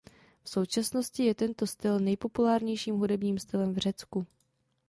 V současnosti je tento styl nejpopulárnějším hudebním stylem v Řecku.